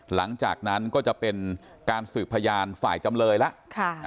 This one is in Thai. หลังจากนั้นก็จะเป็นการสืบพยานฝ่ายจำเลยแล้ว